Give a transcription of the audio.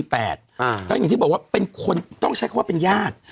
แล้วกันอย่างที่บอกต้องใช้คำว่าเป็นญาติ